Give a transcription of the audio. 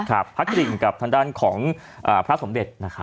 พระกริ่งกับทางด้านของพระสมเด็จนะครับ